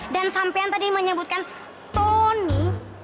dan sampean tadi menyebutkan tony